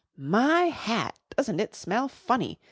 ] "My hat! doesn't it smell funny!